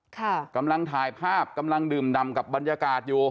กำลังถ่ายภาพกำลังดื่มดำกับบรรยากาศอยู่